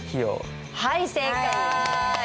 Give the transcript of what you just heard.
はい正解！